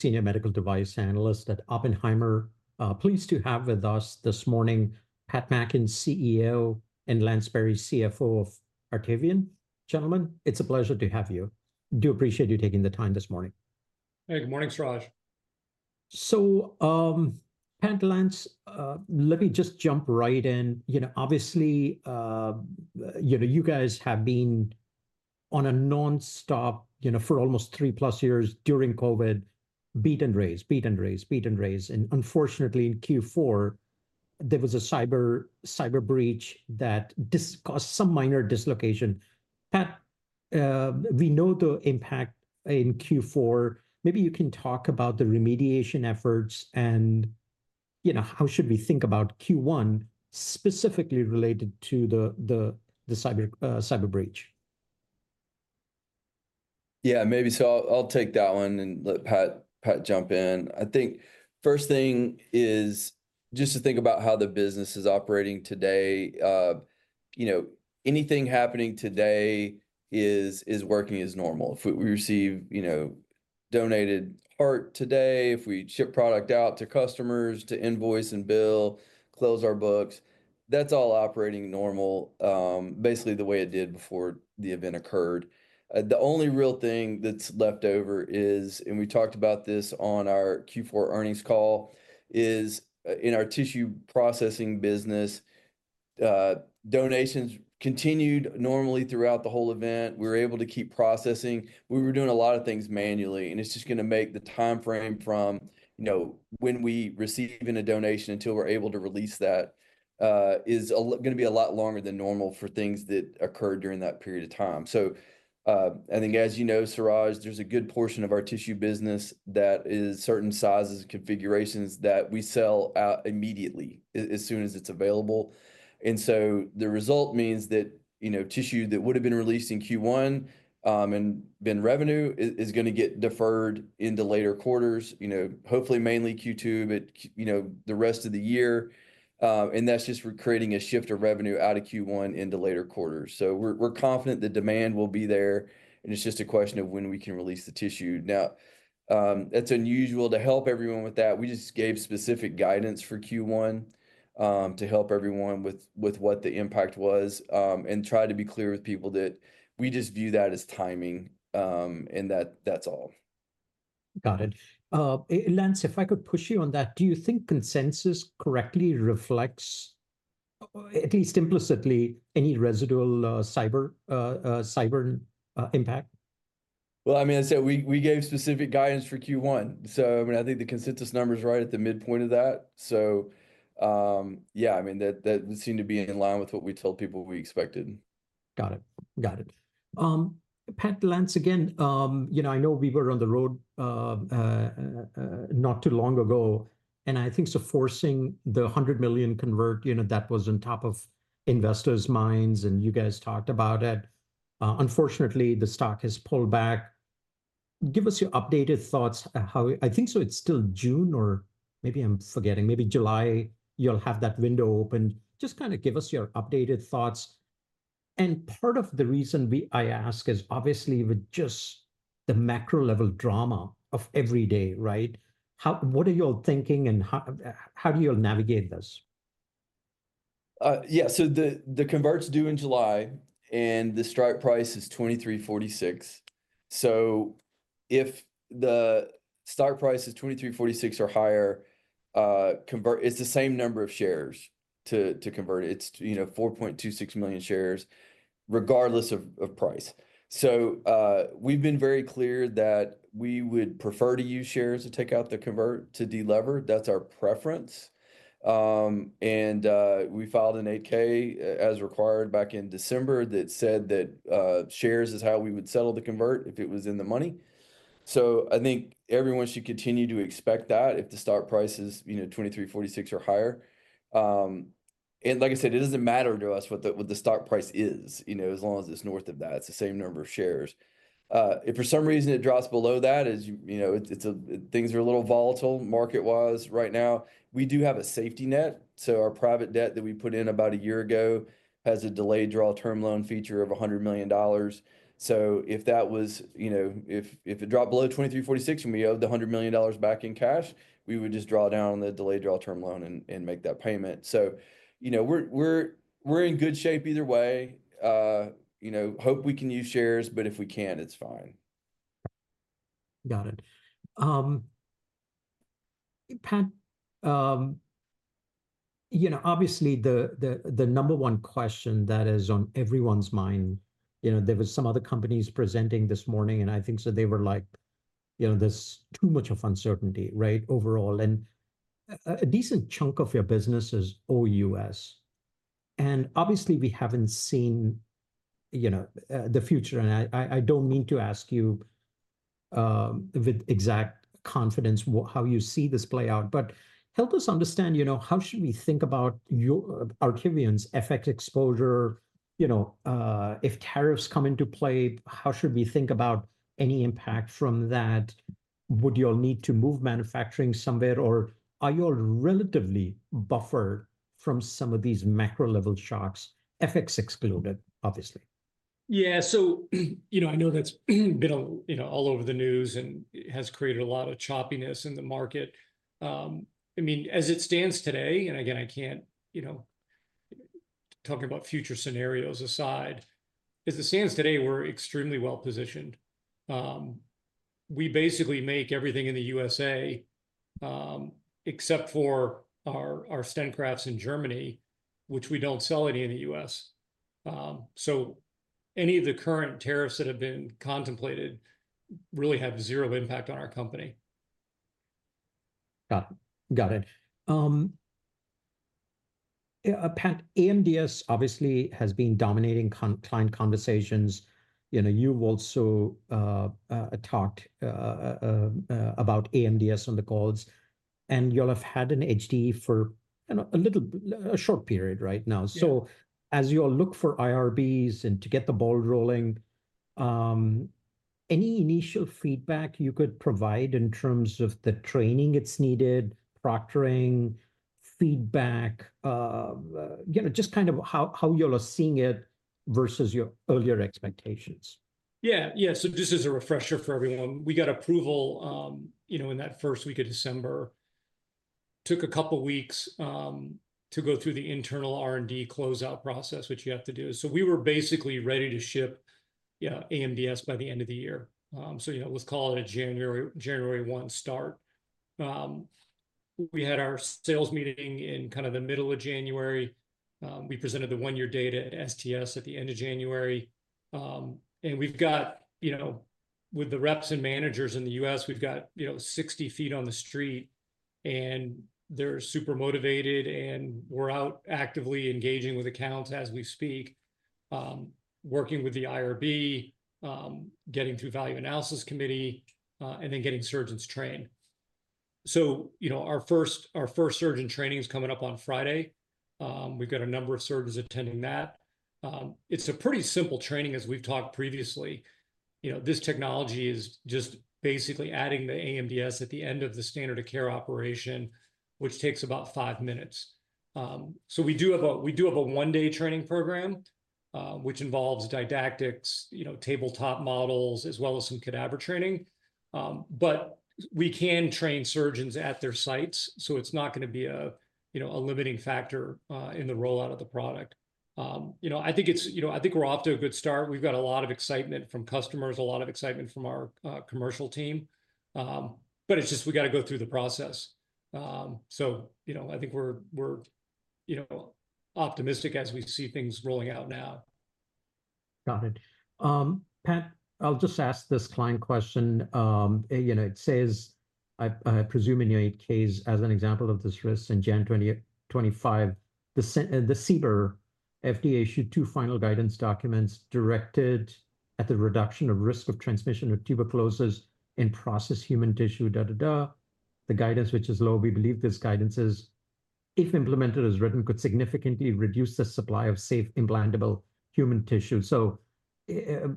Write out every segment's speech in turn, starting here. Senior Medical Device Analyst at Oppenheimer. Pleased to have with us this morning, Pat Mackin, CEO, and Lance Berry, CFO of Artivion. Gentlemen, it's a pleasure to have you. Do appreciate you taking the time this morning. Hey, good morning, Suraj. Pat, Lance, let me just jump right in. You know, obviously, you know, you guys have been on a nonstop, you know, for almost three plus years during COVID, beat and raise, beat and raise, beat and raise. Unfortunately, in Q4, there was a cyber breach that caused some minor dislocation. Pat, we know the impact in Q4. Maybe you can talk about the remediation efforts and, you know, how should we think about Q1 specifically related to the cyber breach? Yeah, maybe. I'll take that one and let Pat jump in. I think first thing is just to think about how the business is operating today. You know, anything happening today is working as normal. If we receive, you know, donated heart today, if we ship product out to customers to invoice and bill, close our books, that's all operating normal, basically the way it did before the event occurred. The only real thing that's left over is, and we talked about this on our Q4 earnings call, is in our tissue processing business, donations continued normally throughout the whole event. We were able to keep processing. We were doing a lot of things manually, and it's just going to make the timeframe from, you know, when we receive a donation until we're able to release that is going to be a lot longer than normal for things that occurred during that period of time. I think, as you know, Suraj, there's a good portion of our tissue business that is certain sizes and configurations that we sell out immediately as soon as it's available. The result means that, you know, tissue that would have been released in Q1 and been revenue is going to get deferred into later quarters, you know, hopefully mainly Q2, but, you know, the rest of the year. That's just creating a shift of revenue out of Q1 into later quarters. We're confident the demand will be there, and it's just a question of when we can release the tissue. Now, that's unusual to help everyone with that. We just gave specific guidance for Q1 to help everyone with what the impact was and tried to be clear with people that we just view that as timing and that that's all. Got it. Lance, if I could push you on that, do you think consensus correctly reflects, at least implicitly, any residual cyber impact? I mean, I said we gave specific guidance for Q1. I mean, I think the consensus number is right at the midpoint of that. I mean, that would seem to be in line with what we told people we expected. Got it. Got it. Pat, Lance, again, you know, I know we were on the road not too long ago, and I think so forcing the $100 million convert, you know, that was on top of investors' minds, and you guys talked about it. Unfortunately, the stock has pulled back. Give us your updated thoughts. I think so it's still June or maybe I'm forgetting, maybe July, you'll have that window open. Just kind of give us your updated thoughts. Part of the reason I ask is obviously with just the macro level drama of every day, right? What are you all thinking and how do you all navigate this? Yeah, so the converts due in July and the strike price is $23.46. So if the stock price is $23.46 or higher, it's the same number of shares to convert. It's, you know, 4.26 million shares regardless of price. We've been very clear that we would prefer to use shares to take out the convert to delever. That's our preference. We filed an 8-K as required back in December that said that shares is how we would settle the convert if it was in the money. I think everyone should continue to expect that if the stock price is, you know, $23.46 or higher. Like I said, it doesn't matter to us what the stock price is, you know, as long as it's north of that. It's the same number of shares. If for some reason it drops below that, as you know, things are a little volatile market-wise right now. We do have a safety net. Our private debt that we put in about a year ago has a delayed draw term loan feature of $100 million. If that was, you know, if it dropped below $23.46 and we owed the $100 million back in cash, we would just draw down on the delayed draw term loan and make that payment. You know, we're in good shape either way. You know, hope we can use shares, but if we can't, it's fine. Got it. Pat, you know, obviously the number one question that is on everyone's mind, you know, there were some other companies presenting this morning, and I think they were like, you know, there's too much of uncertainty, right, overall. A decent chunk of your business is OUS. Obviously we haven't seen, you know, the future. I don't mean to ask you with exact confidence how you see this play out, but help us understand, you know, how should we think about Artivion's FX exposure? You know, if tariffs come into play, how should we think about any impact from that? Would you all need to move manufacturing somewhere or are you all relatively buffered from some of these macro level shocks, FX excluded, obviously? Yeah, so, you know, I know that's been all over the news and has created a lot of choppiness in the market. I mean, as it stands today, and again, I can't, you know, talking about future scenarios aside, as it stands today, we're extremely well positioned. We basically make everything in the U.S. except for our stent grafts in Germany, which we don't sell any in the U.S. So any of the current tariffs that have been contemplated really have zero impact on our company. Got it. Got it. Pat, AMDS obviously has been dominating client conversations. You know, you've also talked about AMDS on the calls, and you'll have had an HDE for a little short period right now. As you all look for IRBs and to get the ball rolling, any initial feedback you could provide in terms of the training that's needed, proctoring, feedback, you know, just kind of how you're seeing it versus your earlier expectations? Yeah, yeah. Just as a refresher for everyone, we got approval, you know, in that first week of December. Took a couple of weeks to go through the internal R&D closeout process, which you have to do. We were basically ready to ship, you know, AMDS by the end of the year. You know, let's call it a January 1 start. We had our sales meeting in kind of the middle of January. We presented the one-year data at STS at the end of January. We've got, you know, with the reps and managers in the US, we've got, you know, 60 feet on the street, and they're super motivated, and we're out actively engaging with accounts as we speak, working with the IRB, getting through value analysis committee, and then getting surgeons trained. You know, our first surgeon training is coming up on Friday. We've got a number of surgeons attending that. It's a pretty simple training as we've talked previously. You know, this technology is just basically adding the AMDS at the end of the standard of care operation, which takes about five minutes. We do have a one-day training program, which involves didactics, you know, tabletop models, as well as some cadaver training. We can train surgeons at their sites, so it's not going to be a, you know, a limiting factor in the rollout of the product. You know, I think it's, you know, I think we're off to a good start. We've got a lot of excitement from customers, a lot of excitement from our commercial team. It's just we got to go through the process. You know, I think we're, you know, optimistic as we see things rolling out now. Got it. Pat, I'll just ask this client question. You know, it says, I presume in your 8-Ks as an example of this risk in January 2025, the CBER FDA issued two final guidance documents directed at the reduction of risk of transmission of tuberculosis in process human tissue, da da da. The guidance, which is low, we believe this guidance is, if implemented as written, could significantly reduce the supply of safe implantable human tissue. So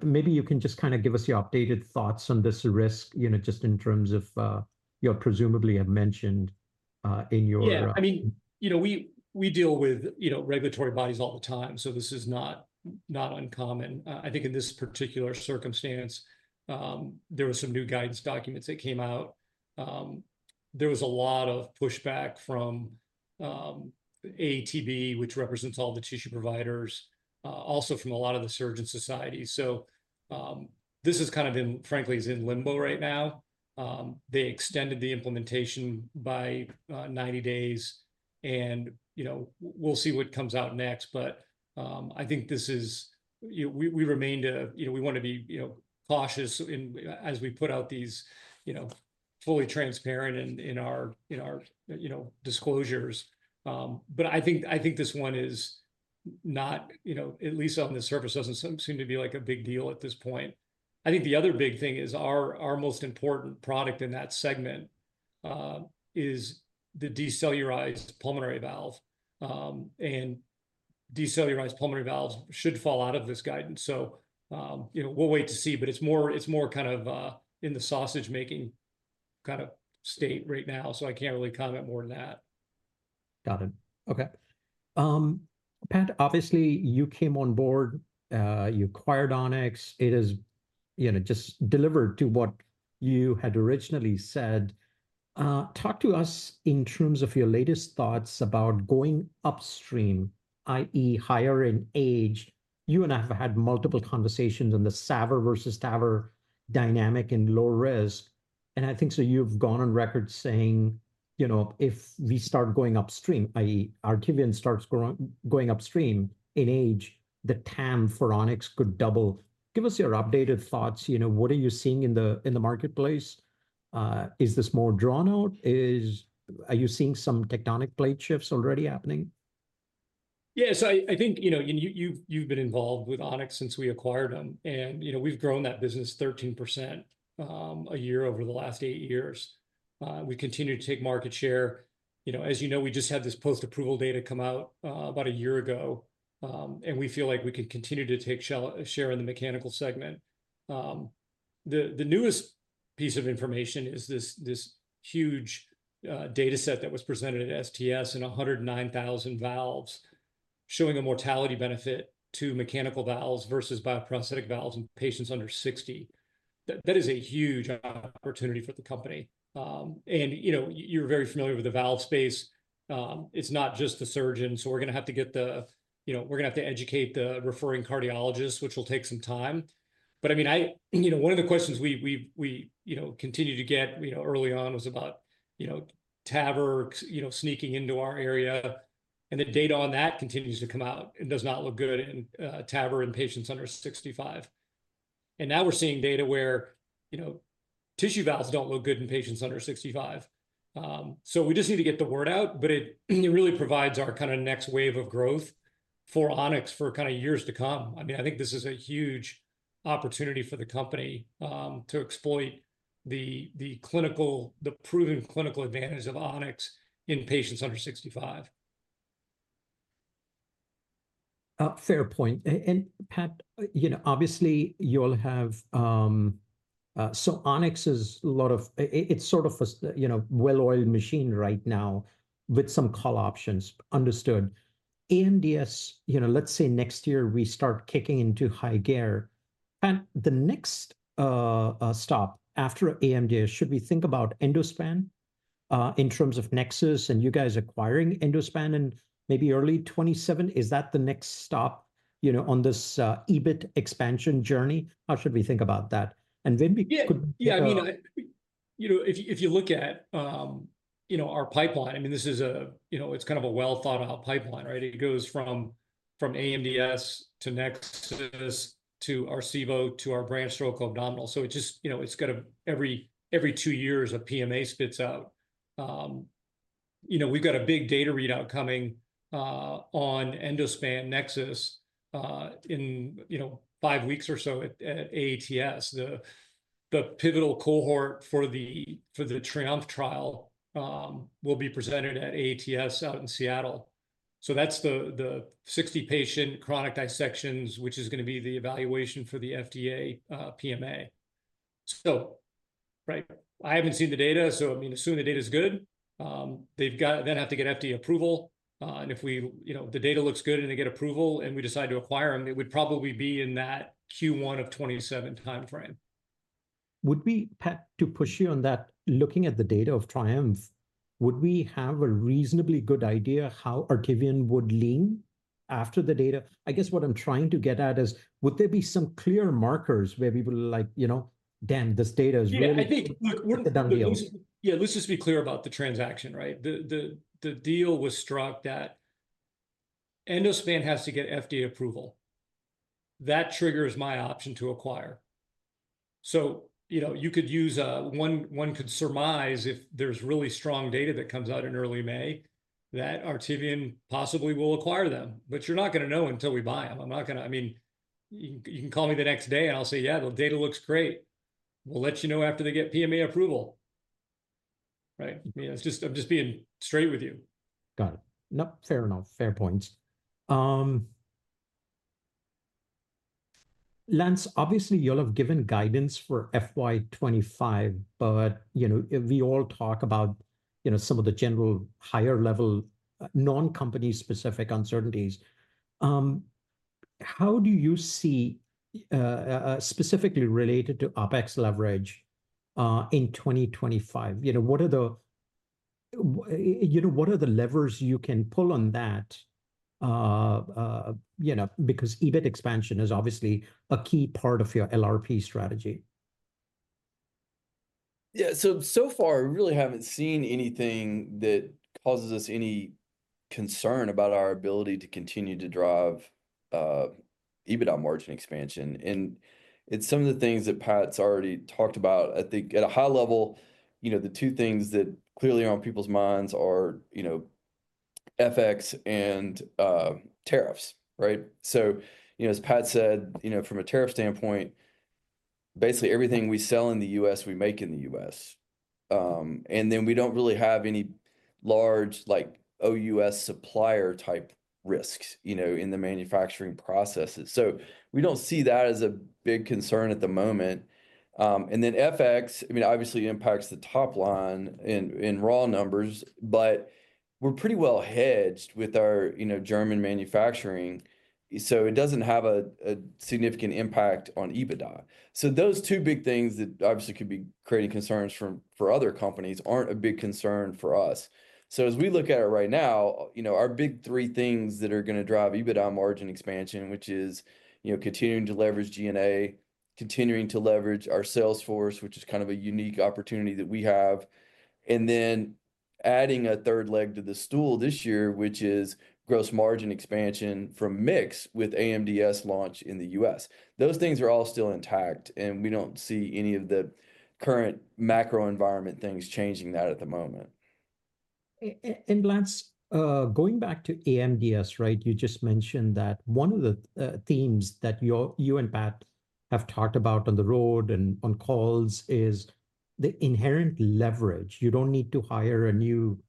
maybe you can just kind of give us your updated thoughts on this risk, you know, just in terms of you'll presumably have mentioned in your. Yeah, I mean, you know, we deal with, you know, regulatory bodies all the time. This is not uncommon. I think in this particular circumstance, there were some new guidance documents that came out. There was a lot of pushback from AATB, which represents all the tissue providers, also from a lot of the surgeon societies. This is kind of, frankly, is in limbo right now. They extended the implementation by 90 days. You know, we'll see what comes out next. I think this is, you know, we remain to, you know, we want to be, you know, cautious as we put out these, you know, fully transparent in our, you know, disclosures. I think this one is not, you know, at least on the surface, doesn't seem to be like a big deal at this point. I think the other big thing is our most important product in that segment is the decellularized pulmonary valve. And decellularized pulmonary valves should fall out of this guidance. You know, we'll wait to see. It's more kind of in the sausage-making kind of state right now. I can't really comment more than that. Got it. Okay. Pat, obviously you came on board. You acquired On-X. It is, you know, just delivered to what you had originally said. Talk to us in terms of your latest thoughts about going upstream, i.e., higher in age. You and I have had multiple conversations on the SAVR versus TAVR dynamic and low risk. I think you have gone on record saying, you know, if we start going upstream, i.e., Artivion starts going upstream in age, the TAM for On-X could double. Give us your updated thoughts. You know, what are you seeing in the marketplace? Is this more drawn out? Are you seeing some tectonic plate shifts already happening? Yeah, so I think, you know, you've been involved with On-X since we acquired them. And, you know, we've grown that business 13% a year over the last eight years. We continue to take market share. You know, as you know, we just had this post-approval data come out about a year ago. We feel like we can continue to take share in the mechanical segment. The newest piece of information is this huge data set that was presented at STS and 109,000 valves showing a mortality benefit to mechanical valves versus bioprosthetic valves in patients under 60. That is a huge opportunity for the company. You know, you're very familiar with the valve space. It's not just the surgeon. We're going to have to get the, you know, we're going to have to educate the referring cardiologists, which will take some time. I mean, I, you know, one of the questions we, you know, continue to get, you know, early on was about, you know, TAVR, you know, sneaking into our area. The data on that continues to come out and does not look good in TAVR in patients under 65. Now we're seeing data where, you know, tissue valves do not look good in patients under 65. We just need to get the word out, but it really provides our kind of next wave of growth for On-X for kind of years to come. I mean, I think this is a huge opportunity for the company to exploit the clinical, the proven clinical advantage of On-X in patients under 65. Fair point. Pat, you know, obviously you'll have, so On-X is a lot of, it's sort of a, you know, well-oiled machine right now with some call options. Understood. AMDS, you know, let's say next year we start kicking into high gear. Pat, the next stop after AMDS, should we think about Endospan in terms of NEXUS and you guys acquiring Endospan in maybe early 2027? Is that the next stop, you know, on this EBIT expansion journey? How should we think about that? And then we. Yeah, I mean, you know, if you look at, you know, our pipeline, I mean, this is a, you know, it's kind of a well-thought-out pipeline, right? It goes from AMDS to NEXUS to Arcevo to our branched thoracoabdominal. It just, you know, it's got every two years a PMA spits out. You know, we've got a big data readout coming on Endospan NEXUS in, you know, five weeks or so at AATS. The pivotal cohort for the TRIOMPHE trial will be presented at AATS out in Seattle. That's the 60 patient chronic dissections, which is going to be the evaluation for the FDA PMA. Right, I haven't seen the data. I mean, assuming the data is good, they've got then have to get FDA approval. If we, you know, the data looks good and they get approval and we decide to acquire them, it would probably be in that Q1 of 2027 timeframe. Would we, Pat, to push you on that, looking at the data of TRIOMPHE, would we have a reasonably good idea how Artivion would lean after the data? I guess what I'm trying to get at is, would there be some clear markers where we would like, you know, damn, this data is really. Yeah, I think. The done deal. Yeah, let's just be clear about the transaction, right? The deal was struck that Endospan has to get FDA approval. That triggers my option to acquire. You know, you could use, one could surmise if there's really strong data that comes out in early May that Artivion possibly will acquire them. You're not going to know until we buy them. I'm not going to, I mean, you can call me the next day and I'll say, yeah, the data looks great. We'll let you know after they get PMA approval. Right? I mean, I'm just being straight with you. Got it. No, fair enough. Fair points. Lance, obviously you'll have given guidance for FY25, but, you know, we all talk about, you know, some of the general higher level non-company specific uncertainties. How do you see specifically related to OpEx leverage in 2025? You know, what are the, you know, what are the levers you can pull on that, you know, because EBIT expansion is obviously a key part of your LRP strategy? Yeah, so far, I really haven't seen anything that causes us any concern about our ability to continue to drive EBITDA margin expansion. And it's some of the things that Pat's already talked about. I think at a high level, you know, the two things that clearly are on people's minds are, you know, FX and tariffs, right? So, you know, as Pat said, you know, from a tariff standpoint, basically everything we sell in the US, we make in the US. And then we don't really have any large, like, OUS supplier type risks, you know, in the manufacturing processes. So we don't see that as a big concern at the moment. And then FX, I mean, obviously impacts the top line in raw numbers, but we're pretty well hedged with our, you know, German manufacturing. So it doesn't have a significant impact on EBITDA. Those two big things that obviously could be creating concerns for other companies aren't a big concern for us. As we look at it right now, you know, our big three things that are going to drive EBITDA margin expansion, which is, you know, continuing to leverage G&A, continuing to leverage our sales force, which is kind of a unique opportunity that we have. Then adding a third leg to the stool this year, which is gross margin expansion from mix with AMDS launch in the U.S. Those things are all still intact. We don't see any of the current macro environment things changing that at the moment. Lance, going back to AMDS, right? You just mentioned that one of the themes that you and Pat have talked about on the road and on calls is the inherent leverage. You don't need to hire a new,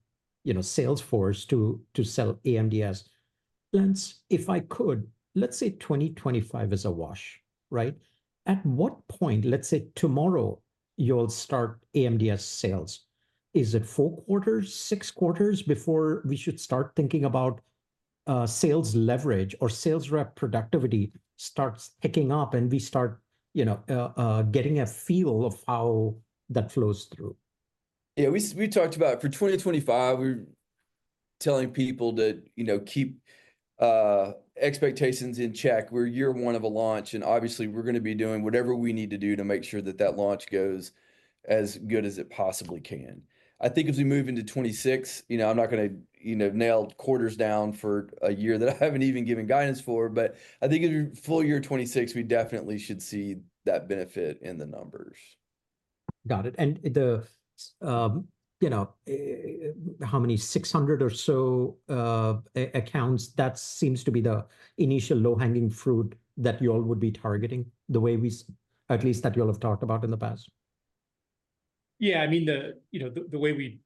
you know, sales force to sell AMDS. Lance, if I could, let's say 2025 is a wash, right? At what point, let's say tomorrow, you'll start AMDS sales? Is it four quarters, six quarters before we should start thinking about sales leverage or sales rep productivity starts picking up and we start, you know, getting a feel of how that flows through? Yeah, we talked about for 2025, we're telling people to, you know, keep expectations in check. We're year one of a launch. Obviously, we're going to be doing whatever we need to do to make sure that that launch goes as good as it possibly can. I think as we move into 2026, you know, I'm not going to, you know, nail quarters down for a year that I haven't even given guidance for. I think in full year 2026, we definitely should see that benefit in the numbers. Got it. The, you know, how many 600 or so accounts, that seems to be the initial low-hanging fruit that you all would be targeting the way we, at least that you all have talked about in the past? Yeah, I mean, the, you know, the way we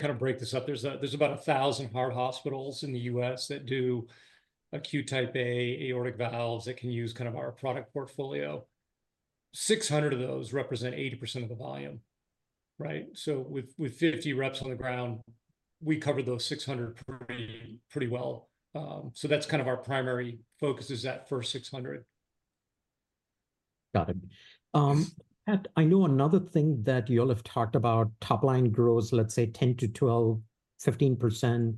kind of break this up, there's about 1,000 heart hospitals in the U.S. that do acute type A aortic valves that can use kind of our product portfolio. Six hundred of those represent 80% of the volume, right? With 50 reps on the ground, we cover those 600 pretty well. That is kind of our primary focus is that first 600. Got it. Pat, I know another thing that you all have talked about, top line grows, let's say 10-12, 15%.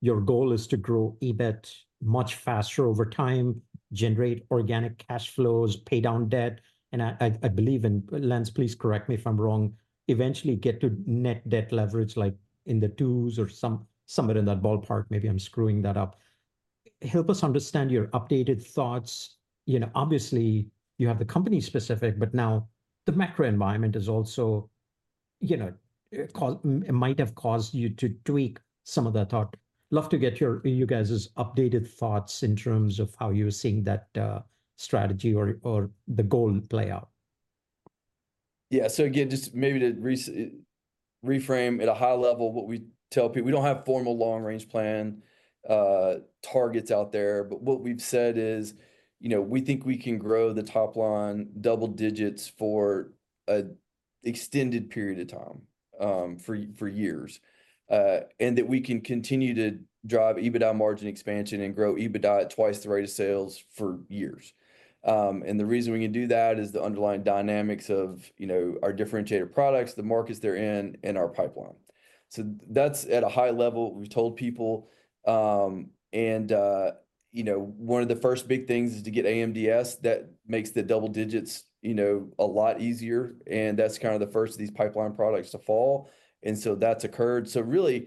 Your goal is to grow EBIT much faster over time, generate organic cash flows, pay down debt. And I believe in, Lance, please correct me if I'm wrong, eventually get to net debt leverage like in the twos or somewhere in that ballpark. Maybe I'm screwing that up. Help us understand your updated thoughts. You know, obviously you have the company specific, but now the macro environment is also, you know, it might have caused you to tweak some of that thought. Love to get your, you guys' updated thoughts in terms of how you're seeing that strategy or the goal play out. Yeah. So again, just maybe to reframe at a high level what we tell people, we don't have formal long-range plan targets out there. What we've said is, you know, we think we can grow the top line double digits for an extended period of time, for years. We can continue to drive EBITDA margin expansion and grow EBITDA at twice the rate of sales for years. The reason we can do that is the underlying dynamics of, you know, our differentiated products, the markets they're in, and our pipeline. That's at a high level we've told people. You know, one of the first big things is to get AMDS that makes the double digits, you know, a lot easier. That's kind of the first of these pipeline products to fall. That has occurred. Really,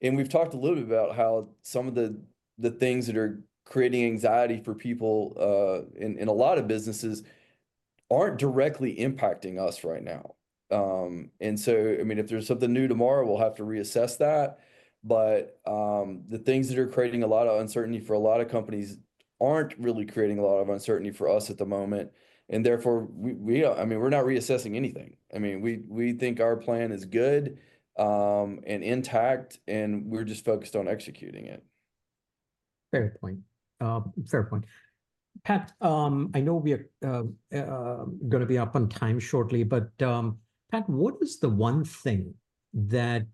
and we've talked a little bit about how some of the things that are creating anxiety for people in a lot of businesses aren't directly impacting us right now. I mean, if there's something new tomorrow, we'll have to reassess that. The things that are creating a lot of uncertainty for a lot of companies aren't really creating a lot of uncertainty for us at the moment. Therefore, I mean, we're not reassessing anything. I mean, we think our plan is good and intact, and we're just focused on executing it. Fair point. Fair point. Pat, I know we are going to be up on time shortly, but Pat, what is the one thing that,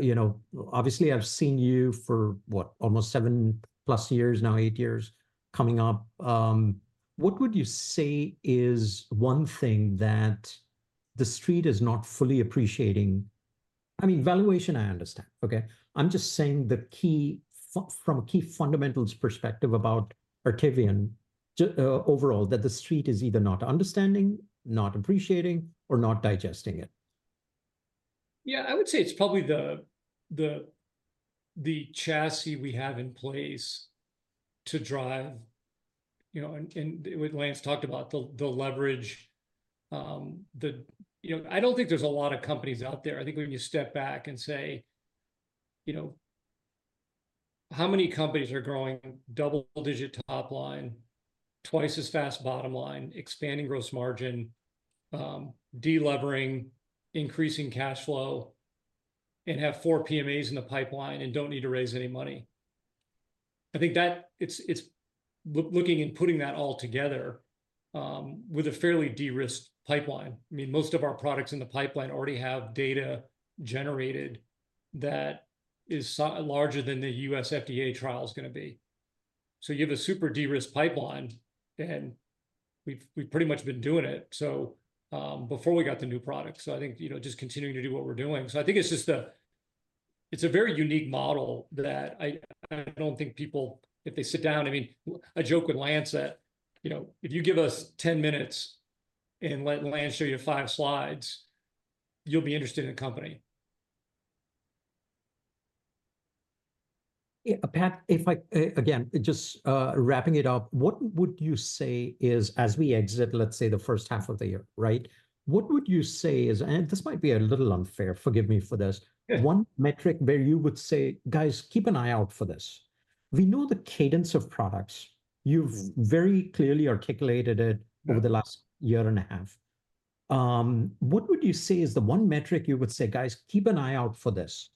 you know, obviously I've seen you for what, almost seven plus years now, eight years coming up. What would you say is one thing that the street is not fully appreciating? I mean, valuation, I understand. Okay. I'm just saying the key from a key fundamentals perspective about Artivion overall that the street is either not understanding, not appreciating, or not digesting it. Yeah, I would say it's probably the chassis we have in place to drive, you know, and what Lance talked about, the leverage, the, you know, I don't think there's a lot of companies out there. I think when you step back and say, you know, how many companies are growing double digit top line, twice as fast bottom line, expanding gross margin, delevering, increasing cash flow, and have four PMAs in the pipeline and don't need to raise any money? I think that it's looking and putting that all together with a fairly de-risked pipeline. I mean, most of our products in the pipeline already have data generated that is larger than the U.S. FDA trial is going to be. You have a super de-risked pipeline, and we've pretty much been doing it. Before we got the new product. I think, you know, just continuing to do what we're doing. I think it's just a, it's a very unique model that I don't think people, if they sit down, I mean, I joke with Lance that, you know, if you give us 10 minutes and let Lance show you five slides, you'll be interested in a company. Pat, if I again, just wrapping it up, what would you say is, as we exit, let's say the first half of the year, right? What would you say is, and this might be a little unfair, forgive me for this, one metric where you would say, guys, keep an eye out for this? We know the cadence of products. You've very clearly articulated it over the last year and a half. What would you say is the one metric you would say, guys, keep an eye out for this?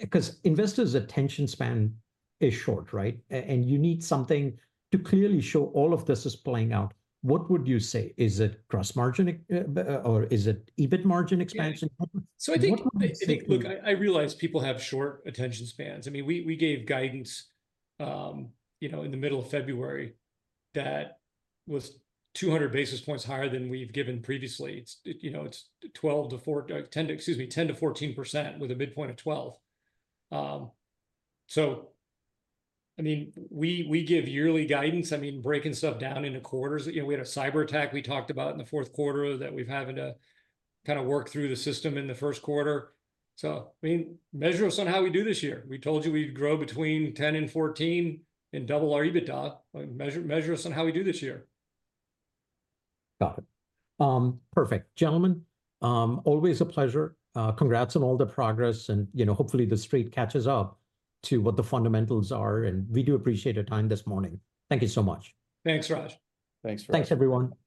Because investors' attention span is short, right? And you need something to clearly show all of this is playing out. What would you say? Is it gross margin or is it EBIT margin expansion? I think, look, I realize people have short attention spans. I mean, we gave guidance, you know, in the middle of February that was 200 basis points higher than we've given previously. It's, you know, it's 12%-14%, excuse me, 10%-14% with a midpoint of 12. I mean, we give yearly guidance. I mean, breaking stuff down into quarters. You know, we had a cyber attack we talked about in the fourth quarter that we've had to kind of work through the system in the first quarter. I mean, measure us on how we do this year. We told you we'd grow between 10 and 14% and double our EBITDA. Measure us on how we do this year. Got it. Perfect. Gentlemen, always a pleasure. Congrats on all the progress. You know, hopefully the street catches up to what the fundamentals are. We do appreciate your time this morning. Thank you so much. Thanks, Suraj. Thanks. Thanks, everyone.